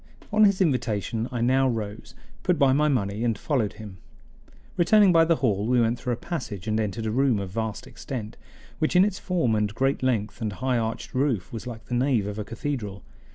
On his invitation I now rose, put by my money, and followed him. Returning by the hall we went through a passage and entered a room of vast extent, which in its form and great length and high arched roof was like the nave of a cathedral.